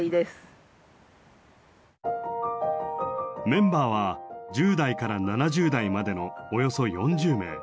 メンバーは１０代から７０代までのおよそ４０名。